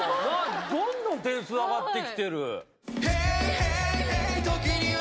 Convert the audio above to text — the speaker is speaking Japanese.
どんどん点数上がって来てる。